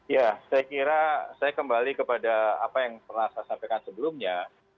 ya saya kira saya kembali kepada apa yang pernah saya sampaikan sebelumnya